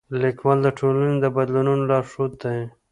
لیکوال د ټولنې د بدلونونو لارښود دی.